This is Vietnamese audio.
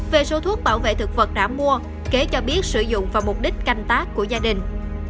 về số thuốc bảo vệ thực vật đã mua kế cho biết sử dụng vào mục đích canh tác của gia đình